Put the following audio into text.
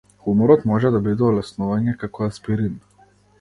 Хуморот може да биде олеснување, како аспирин.